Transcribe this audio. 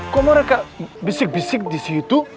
kok mereka bisik bisik disitu